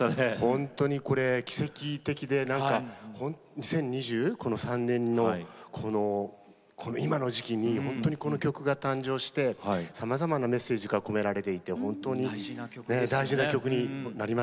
本当にこれ奇跡的で２０２３年のこの今の時期にこの曲が誕生してさまざまなメッセージが込められていて本当に大事な曲になりました。